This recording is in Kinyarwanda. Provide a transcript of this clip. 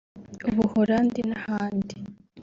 Ubuhorandi n’ahandi